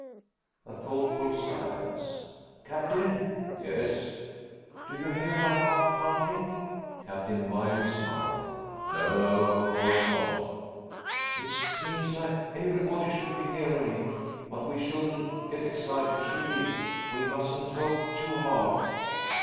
A thoughtful silence. "Captain." "Yes?" "Do you hear my heart pounding?" Captain Wiley smiled. "No. No, of course not." "It seems like everybody should be hearing it. But we shouldn't get excited, should we? We mustn't hope too hard."